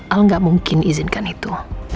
al gak mungkin izinkan itu